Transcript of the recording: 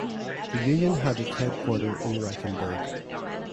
The union had its headquarter in Reichenberg.